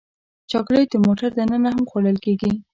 چاکلېټ د موټر دننه هم خوړل کېږي.